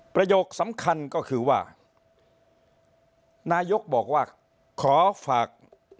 ประโยคสำคัญก็คือว่านายกบอกว่าขอฝาก